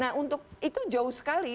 nah untuk itu jauh sekali